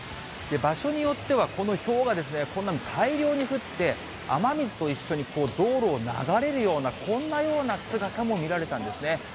場所によっては、このひょうが、こんな大量に降って、雨水と一緒に道路を流れるような、こんなような姿も見られたんですね。